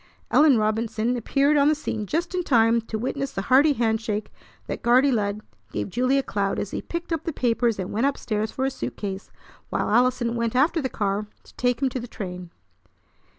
Ellen Robinson appeared on the scene just in time to witness the hearty hand shake that Guardy Lud gave Julia Cloud as he picked up the papers and went up stairs for his suitcase while Allison went after the car to take him to the train.